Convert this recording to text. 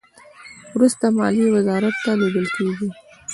وروسته مالیې وزارت ته لیږل کیږي.